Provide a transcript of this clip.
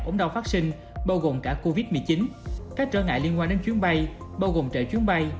ốm đau phát sinh bao gồm cả covid một mươi chín các trở ngại liên quan đến chuyến bay bao gồm trợ chuyến bay